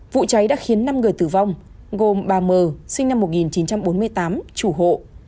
vụ cháy đã khiến năm người tử vong gồm bà m sinh năm một nghìn chín trăm bốn mươi tám chủ hộ